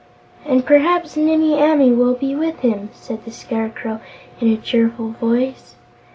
"And perhaps Nimmie Amee will be with him," said the Scarecrow in a cheerful voice.